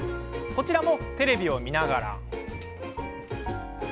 こちらもテレビを見ながら。